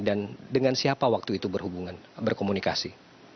dan dengan siapa waktu itu berhubungan berkomunikasi